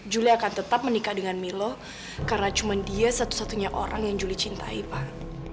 juli akan tetap menikah dengan milo karena cuma dia satu satunya orang yang juli cintai pak